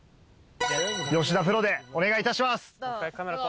吉田プロでお願いいたします。